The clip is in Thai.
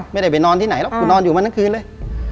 แกไปนอนที่ไหนแล้วกูนอนอยู่มานั้นคืนเลย